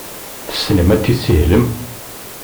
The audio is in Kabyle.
Tessnem ad tessihlem?